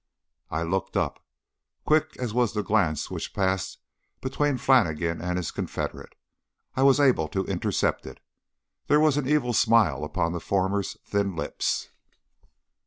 I looked up. Quick as was the glance which passed between Flannigan and his confederate, I was able to intercept it. There was an evil smile upon the former's thin lips.